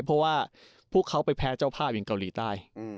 เพราะว่าพวกเขาไปแพ้เจ้าภาพอย่างเกาหลีใต้